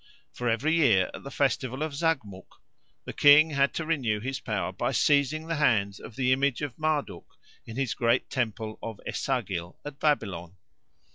For every year at the festival of Zagmuk the king had to renew his power by seizing the hands of the image of Marduk in his great temple of Esagil at Babylon.